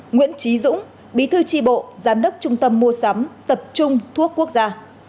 nguyễn trí dũng bí thư tri bộ giám đốc trung tâm mua sắm tập trung thuốc quốc gia